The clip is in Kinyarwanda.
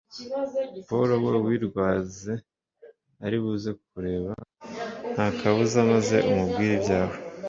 polo we wirwaze ari buze kukureba nta kabuza maze umubwire ibyawe.